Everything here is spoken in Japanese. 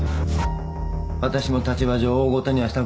私も立場上大ごとにはしたくない。